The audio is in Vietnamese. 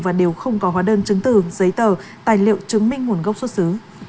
và đều không có hóa đơn chứng từ giấy tờ tài liệu chứng minh nguồn gốc xuất xứ